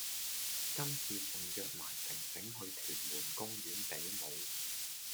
今次仲約埋城城去屯門公園比舞